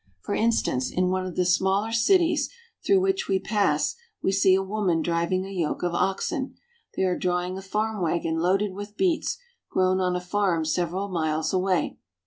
For instance, in one of the smaller cities through which we pass we see a woman driving a yoke of oxen. They are drawing a farm wagon loaded with beets grown on a farm several miles away.